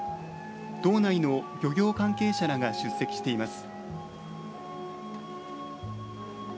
道内の漁業関係者らが出席しています。